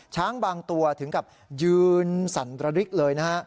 ช้างบางตัวถึงกับยืนสั่นระริกเลยนะฮะ